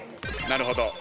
なるほど。